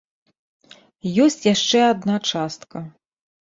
Ёсць яшчэ адна частка.